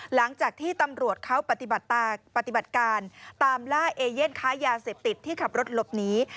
หลังจากที่ตำรวจเขาปฏิบัติการตามล่าเอเย่นค้ายาเสพติดที่ขับรถหลบหนี